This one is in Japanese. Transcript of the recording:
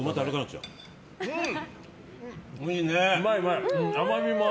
うん！